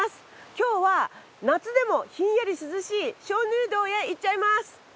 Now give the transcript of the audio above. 今日は夏でもひんやり涼しい鍾乳洞へ行っちゃいます。